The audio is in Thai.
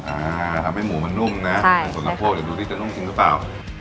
อ่าทำให้หมูมันนุ่มนะส่วนสะโพกเดี๋ยวดูที่จะนุ่มจริงหรือเปล่า